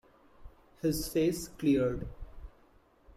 His face cleared.